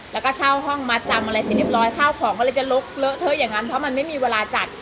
แล้วก็เช่าห้องมัดจำอะไรเสร็จเรียบร้อยข้าวของก็เลยจะลุกเลอะเทอะอย่างนั้นเพราะมันไม่มีเวลาจัด